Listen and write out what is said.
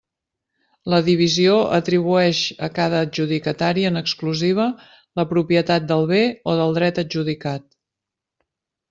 La divisió atribueix a cada adjudicatari en exclusiva la propietat del bé o del dret adjudicat.